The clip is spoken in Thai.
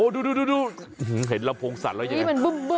ดูเห็นลำโพงสัดแล้วใช่ไหม